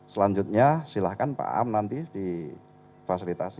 selanjutnya silakan pak am nanti di fasilitasi